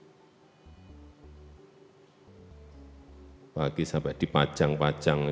apalagi sahabat dipajang pajang di